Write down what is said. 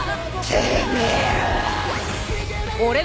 てめえら。